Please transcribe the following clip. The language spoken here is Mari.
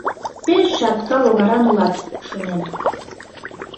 Пеш чатка логаран улат, шонем.